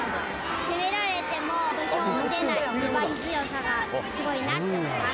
攻められても、土俵を出ない粘り強さがすごいなって思います。